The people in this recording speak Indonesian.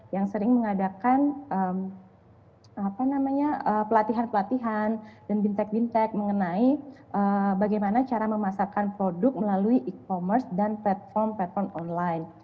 yang sering mengadakan pelatihan pelatihan dan bintek bintek mengenai bagaimana cara memasarkan produk melalui e commerce dan platform platform online